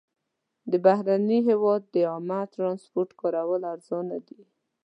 د بهرني هېواد د عامه ترانسپورټ کارول ارزانه دي.